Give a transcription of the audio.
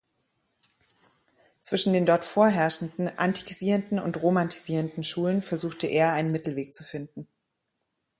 Zwischen den dort vorherrschenden antikisierenden und romantisierenden Schulen versuchte er einen Mittelweg zu finden.